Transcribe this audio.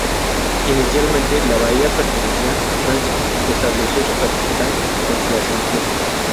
Inicialmente, la bahía pertenecía a Francia, que estableció su capital en Placentia.